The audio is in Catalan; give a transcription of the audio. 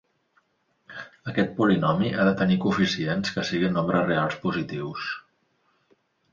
Aquest polinomi ha de tenir coeficients que siguin nombres reals positius.